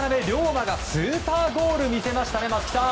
磨がスーパーゴールを見せましたね松木さん。